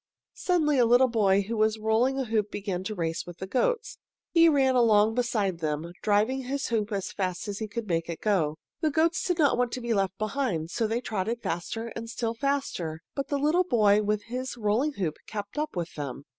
Suddenly a little boy who was rolling a hoop began to race with the goats. He ran along beside them, driving his hoop as fast as he could make it go. The goats did not want to be left behind, so they trotted faster and still faster, but the little boy with his rolling hoop kept up with them.